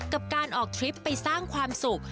กับการออกทริปไปสร้างความสุข